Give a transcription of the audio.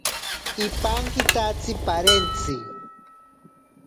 Ipankitatsi parentzi.